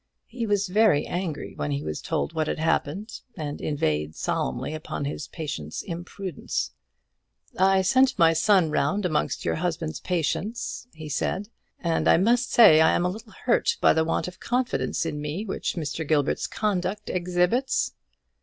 He was very angry when he was told what had happened, and inveighed solemnly upon his patient's imprudence. "I sent my son round amongst your husband's patients," he said, "and I must say, I am a little hurt by the want of confidence in me which Mr. Gilbert's conduct exhibits."